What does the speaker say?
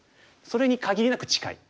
それに限りなく近い。